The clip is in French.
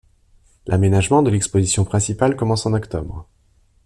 L’aménagement de l’exposition principale commence en octobre.